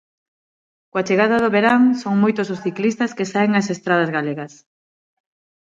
Coa chegada do verán son moitos os ciclistas que saen ás estradas galegas.